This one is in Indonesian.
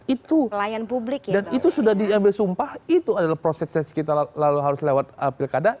itu pelayan publik dan itu sudah diambil sumpah itu adalah proses yang harus kita lewat pilkada